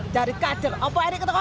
dari kader apa erick ketemu kader